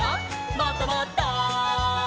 もっともっと」